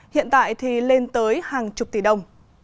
hiện tại thì lên tới hàng chục tỷ đồng